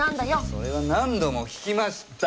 それは何度も聞きました！